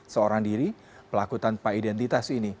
seorang diri pelaku tanpa identitas ini